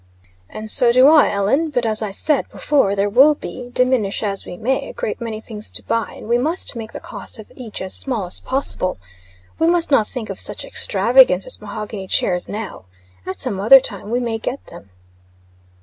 "And so do I, Ellen. But, as I said before, there will be, diminish as we may, a great many things to buy, and we must make the cost of each as small as possible. We must not think of such extravagance as mahogany chairs now. At some other time we may get them."